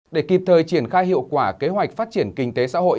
để kịp thời triển khai hiệu quả kế hoạch phát triển kinh tế sản xuất